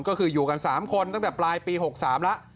ก็คืออยู่กัน๓คนตั้งแต่ปลายปี๖๓แล้ว